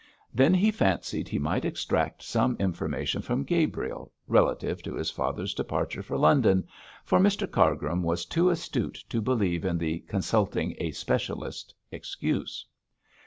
Then he fancied he might extract some information from Gabriel relative to his father's departure for London, for Mr Cargrim was too astute to believe in the 'consulting a specialist' excuse.